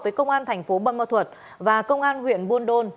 với công an thành phố bơ ma thuật và công an huyện buôn đôn